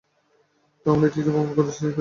তো আমরা কী কী প্রমাণ পেয়েছি, পলি?